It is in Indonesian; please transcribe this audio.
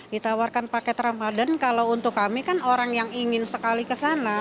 ditawarkan paket ramadan kalau untuk kami kan orang yang ingin sekali ke sana